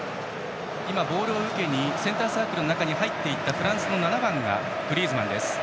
ボールを受けにセンターサークルの中に入っていったフランスの７番がグリーズマンです。